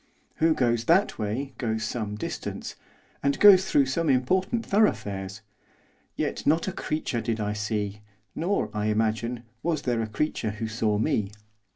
Who goes that way goes some distance, and goes through some important thoroughfares; yet not a creature did I see, nor, I imagine, was there a creature who saw me.